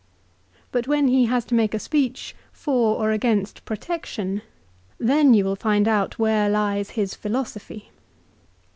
But when he has to make a speech for or against Protection, then you will find out where lies his philosophy.